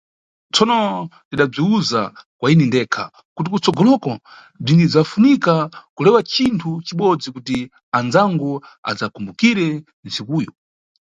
Tsono, ndidabziwuza kwa ine ndekha kuti kutsogoloko bzinidzafunika kulewa cinthu cibodzi kuti andzangu adzakumbukire ntsikuyo.